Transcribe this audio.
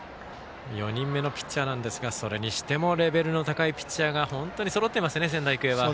４人目のピッチャーなんですがそれにしてもレベルの高いピッチャーがそろってますね仙台育英は。